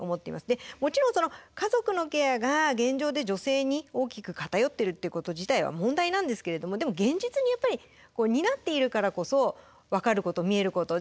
でもちろん家族のケアが現状で女性に大きく偏ってるっていうこと自体は問題なんですけれどもでも現実にやっぱり担っているからこそ分かること見えること。